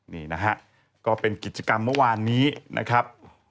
นี่นะฮะก็เป็นกิจกรรมเมื่อวานนี้นะครับ